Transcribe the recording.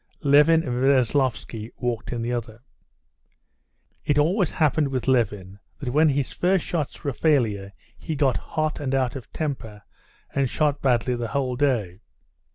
Levin and Veslovsky walked in the other. It always happened with Levin that when his first shots were a failure he got hot and out of temper, and shot badly the whole day.